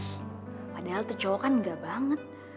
ih padahal tuh cowokan nggak banget